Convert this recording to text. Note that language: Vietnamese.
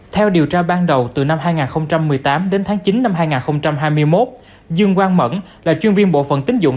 theo điều tra ban đầu từ năm hai nghìn một mươi tám đến tháng chín năm hai nghìn hai mươi một dương quang mẫn là chuyên viên bộ phận tính dụng